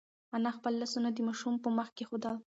انا خپل لاسونه د ماشوم په مخ کېښودل.